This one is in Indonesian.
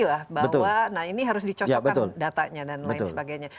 nah ini harus dicocokkan datanya dan lain sebagainya